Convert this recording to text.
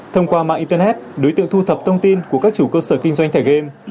thông qua mạng internet đối tượng thu thập thông tin của các chủ cơ sở kinh doanh thẻ game